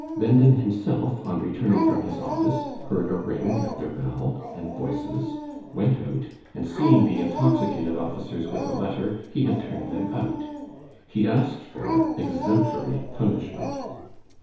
Venden himself, on returning from his office, heard a ring at their bell and voices, went out, and seeing the intoxicated officers with a letter, he had turned them out. He asked for exemplary punishment.